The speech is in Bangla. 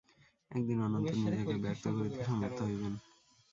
একদিন অনন্ত নিজেকে ব্যক্ত করিতে সমর্থ হইবেন।